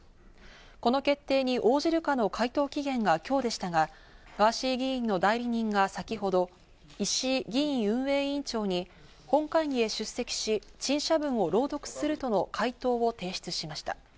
この決定に応じるかの回答期限が今日でしたが、ガーシー議員の代理人が先ほど石井議院運営委員長に本会議へ出席し、陳謝文を朗読するとの回答を提出しました。